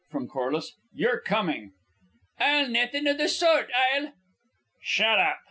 from Corliss. "You're coming." "I'll naething o' the sort. I'll " "Shut up!"